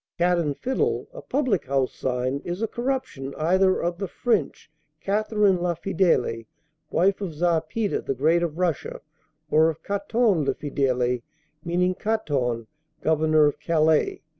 "'Cat and Fiddle,' a public house sign, is a corruption either of the French Catherine la fidèle, wife of Czar Peter the Great of Russia, or of Caton le fidèle, meaning Caton, governor of Calais."